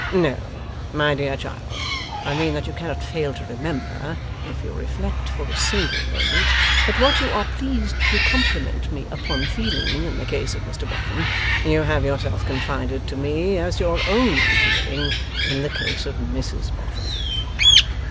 'No, my dear child. I mean that you cannot fail to remember, if you reflect for a single moment, that what you are pleased to compliment me upon feeling in the case of Mr Boffin, you have yourself confided to me as your own feeling in the case of Mrs Boffin.